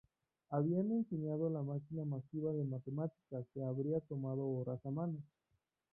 Habían enseñado la máquina masiva de matemática que habría tomado horas a mano.